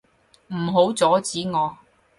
唔好阻止我！